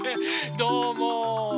どうも。